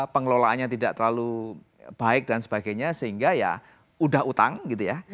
pengelolaannya tidak terlalu baik dan sebagainya sehingga ya udah utang gitu ya